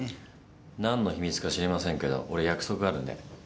何の秘密か知りませんけど俺約束があるんで。